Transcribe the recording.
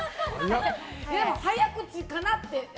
でも早口かなって。